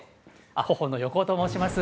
広報の横尾と申します。